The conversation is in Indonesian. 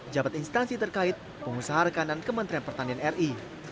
jabat instansi terkait pengusaha rekanan kementerian pertanian ri